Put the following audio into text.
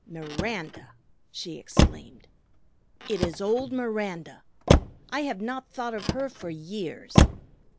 "Miranda!" she exclaimed. "It is old Miranda! I have not thought of her for years."